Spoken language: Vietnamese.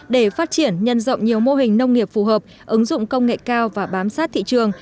để phát triển nhân rộng nhiều mô hình nông nghiệp phù hợp ứng dụng công nghệ cao và bám sát thị trường